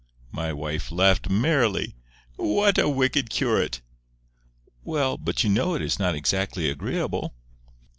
My wife laughed merrily. "Whal a wicked curate!" "Well, but you know it is not exactly agreeable."